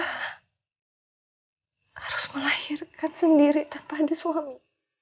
harus melahirkan sendiri tanpa ada suami